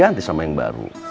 nanti sama yang baru